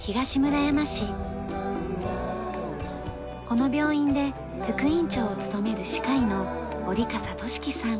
この病院で副院長を務める歯科医の折笠聡樹さん。